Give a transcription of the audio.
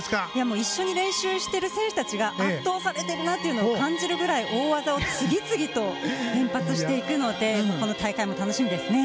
一緒に練習している選手が圧倒されていると感じるぐらい大技を次々と連発していくのでこの大会も楽しみですね。